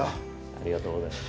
ありがとうございます。